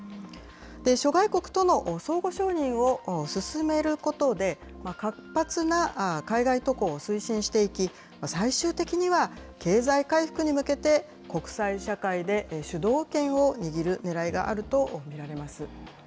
諸外国との相互承認を進めることで、活発な海外渡航を推進していき、最終的には、経済回復に向けて、国際社会で主導権を握るねらいがあると見られます。